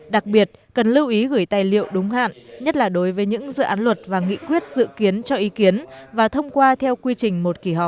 đặc biệt cần lưu ý gửi tài liệu đúng hạn nhất là đối với những dự án luật và nghị quyết dự kiến cho ý kiến và thông qua theo quy trình một kỳ họp